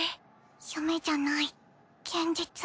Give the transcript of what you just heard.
夢じゃない現実。